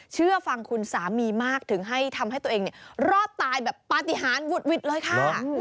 เชื่อฟังคุณสามีมากถึงให้ทำให้ตัวเองรอดตายแบบปฏิหารวุดหวิดเลยค่ะ